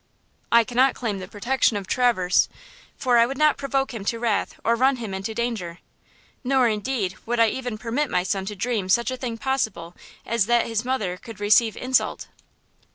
"I cannot claim the protection of Traverse, for I would not provoke him to wrath or run him into danger; nor, indeed, would I even permit my son to dream such a thing possible as that his mother could receive insult!